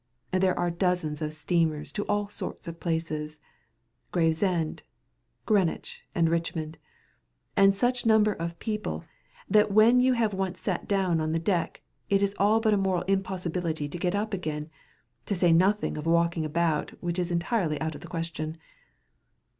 There are dozens of steamers to all sorts of places—Gravesend, Greenwich, and Richmond; and such numbers of people, that when you have once sat down on the deck, it is all but a moral impossibility to get up again—to say nothing of walking about, which is entirely out of the question.